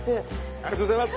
ありがとうございます！